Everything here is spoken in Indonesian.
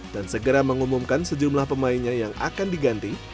dan segera mengumumkan sejumlah pemainnya yang akan diganti